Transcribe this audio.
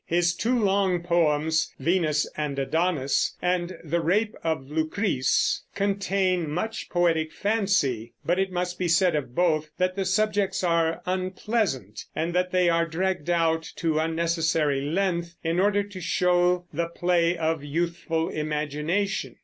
His two long poems, "Venus and Adonis" and "The Rape of Lucrece," contain much poetic fancy; but it must be said of both that the subjects are unpleasant, and that they are dragged out to unnecessary length in order to show the play of youthful imagination.